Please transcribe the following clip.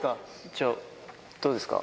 じゃあ、どうですか？